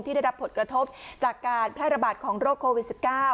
ได้รับผลกระทบจากการแพร่ระบาดของโรคโควิด๑๙